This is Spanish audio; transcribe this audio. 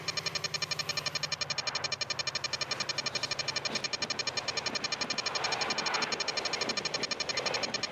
Es decir, delgado, simpático, amable, divertido y alternativo y con una novia.